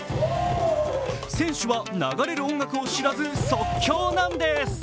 選手は流れる音楽を知らず即興なんです。